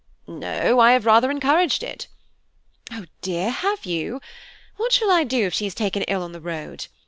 "No, I have rather encouraged it." "Oh dear, have you? what shall I do if she is taken ill on the road?